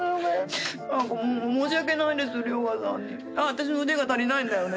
私の腕が足りないんだよね